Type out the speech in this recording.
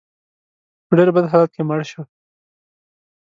په ډېر بد حالت کې مړ شو.